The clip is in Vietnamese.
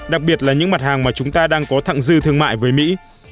đặc biệt là những mặt hàng mà chúng ta đang có thẳng dư thương mại với mỹ